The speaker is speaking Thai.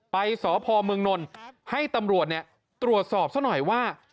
ไปสพเมืองนลให้ตำรวจตรวจสอบซะหน่อยว่า